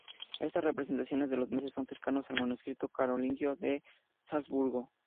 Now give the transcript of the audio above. Estas representaciones de los meses son cercanas al manuscrito carolingio de Salzburgo.